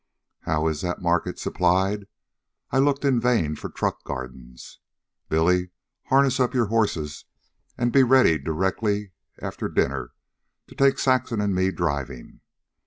How is that market supplied? I looked in vain for truck gardens. Billy, harness up your horses and be ready directly after dinner to take Saxon and me driving.